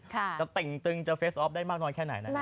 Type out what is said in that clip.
เต่งตึงจะเฟสออฟได้มากน้อยแค่ไหนนะครับ